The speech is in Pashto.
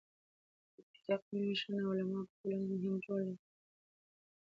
د پکتیکا قومي مشران او علما په ټولنه کې مهم رول لري.